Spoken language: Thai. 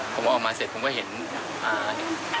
ผมออกมาเสร็จผมก็เห็นอ่า